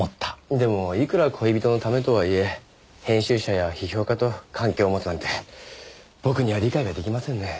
でもいくら恋人のためとはいえ編集者や批評家と関係を持つなんて僕には理解が出来ませんね。